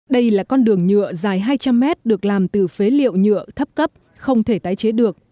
đây là con đường nhựa dài hai trăm linh mét được làm từ phế liệu nhựa thấp cấp không thể tái chế được